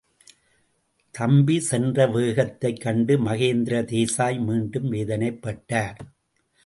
தம்பி சென்ற வேகத்தைக் கண்டு மகேந்திர தேசாய் மீண்டும் வேதனைப்பட்டார்.